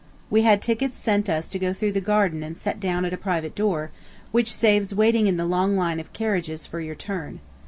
We had tickets sent us to go through the garden and set down at a private door, which saves waiting in the long line of carriages for your turn.